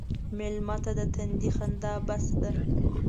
مېلمه ته د تندي خندا بس ده.